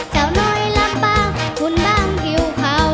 เจ้าน้อยล่ะบ่คุณบ้างกิวข่าว